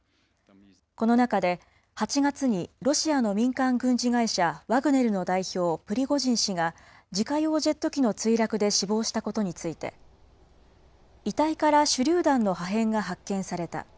この中で、８月にロシアの民間軍事会社、ワグネルの代表、プリゴジン氏が、自家用ジェット機の墜落で死亡したことについて、遺体から手りゅう弾の破片が発見された。